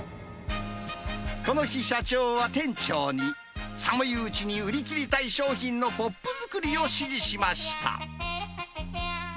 この日、社長は店長に、寒いうちに売り切りたい商品のＰＯＰ作りを指示しました。